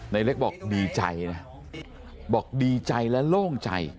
ในเล็กบอกดีใจนะบอกดีใจและโล่งใจ